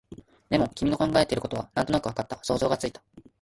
でも、君の考えていることはなんとなくわかった、想像がついた